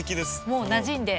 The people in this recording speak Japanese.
もうなじんで。